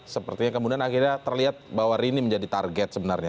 sepertinya kemudian akhirnya terlihat bahwa rini menjadi target sebenarnya